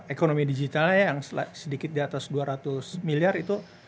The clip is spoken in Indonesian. ekonomi digitalnya yang sedikit diatas dua ratus miliar itu